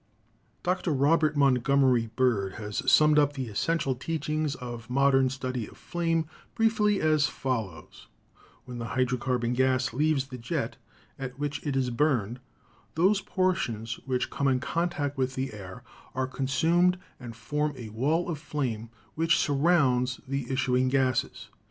Dr. Robert Montgomery Bird has summed up the es sential teachings of modern study of flame briefly as fol lows : When the hydrocarbon gas leaves the jet at which it is burned those portions which come in contact with the air are consumed and form a wall of flame, which sur rounds the issuing gases.